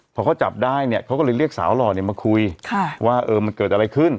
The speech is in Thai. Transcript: พอเขาจับได้เนี่ยเขาก็เลยเรียกสาวหล่อเนี่ยมาคุยว่ามันเกิดอะไรขึ้น